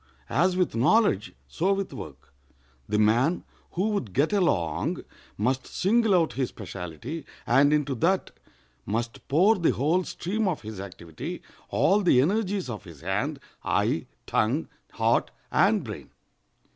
As with knowledge, so with work. The man who would get along must single out his specialty, and into that must pour the whole stream of his activity—all the energies of his hand, eye, tongue, heart, and brain.